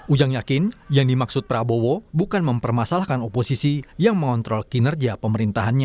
ujang yakin yang dimaksud prabowo bukan mempermasalahkan oposisi yang mengontrol kinerja pemerintahannya